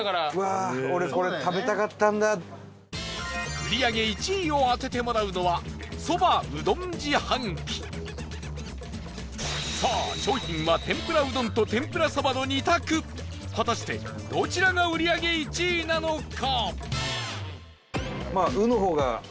売り上げ１位を当ててもらうのはさあ、商品は天ぷらうどんと天ぷらそばの２択果たして、どちらが売り上げ１位なのか？